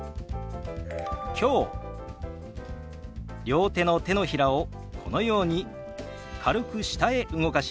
両手の手のひらをこのように軽く下へ動かします。